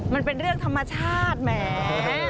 มันเป็นเรื่องธรรมชาติแหม